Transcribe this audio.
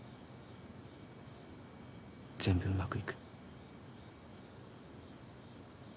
全部うまくいく。